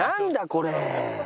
これ！